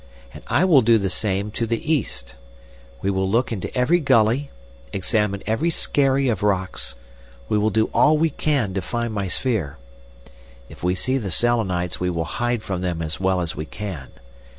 And I will do the same to the east. We will look into every gully, examine every skerry of rocks; we will do all we can to find my sphere. If we see the Selenites we will hide from them as well as we can.